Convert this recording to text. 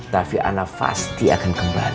tapi ana pasti akan kembali